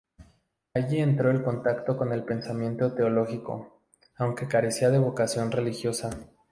Allí entró en contacto con el pensamiento teológico, aunque carecía de vocación religiosa.